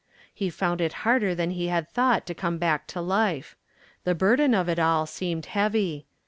He found it harder than he had thought to come back to life. The burden of it all seemed heavy.